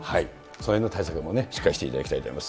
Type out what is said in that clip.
そのへんの対策もしっかりしていただきたいと思います。